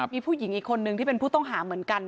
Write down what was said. มีผู้หญิงอีกคนนึงที่เป็นผู้ต้องหาเหมือนกัน